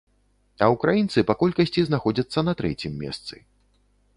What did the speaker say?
А ўкраінцы па колькасці знаходзяцца на трэцім месцы.